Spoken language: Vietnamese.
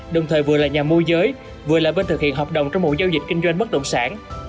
đồng thời vừa là nhà môi giới vừa là bên thực hiện hợp đồng trong một giao dịch kinh doanh bất động sản